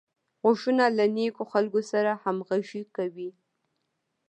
غوږونه له نېکو خلکو سره همغږي کوي